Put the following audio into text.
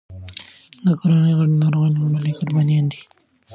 د کورنۍ غړي د ناروغ لومړني قربانیان دي.